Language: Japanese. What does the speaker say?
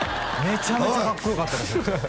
めちゃめちゃかっこよかったおい！